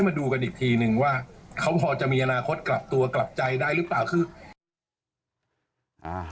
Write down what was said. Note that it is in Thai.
มาดูกันอีกทีนึงว่าเขาพอจะมีอนาคตกลับตัวกลับใจได้หรือเปล่าคืออ่า